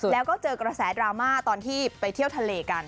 แล้วก็เจอกระแสดราม่าตอนที่ไปเที่ยวทะเลกัน